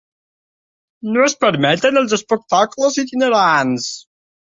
No es permeten els espectacles itinerants.